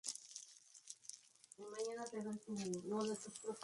Ha sido docente en varias universidades de Bogotá, columnista y conferencista.